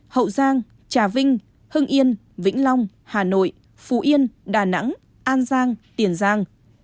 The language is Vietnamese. hậu giang trà vinh hưng yên vĩnh long hà nội phú yên đà nẵng an giang tiền giang